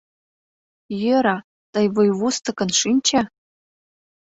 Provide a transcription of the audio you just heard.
Йӧра, тый вуйвустыкын шинче.